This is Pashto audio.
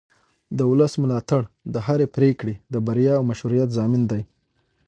د ولس ملاتړ د هرې پرېکړې د بریا او مشروعیت ضامن دی